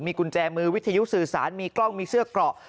กุญแจมือวิทยุสื่อสารมีกล้องมีเสื้อเกราะ